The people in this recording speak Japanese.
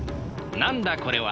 なんだこれは！